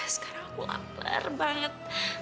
sekarang aku lapar banget